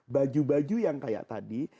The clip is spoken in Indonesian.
baju baju yang kayak tadi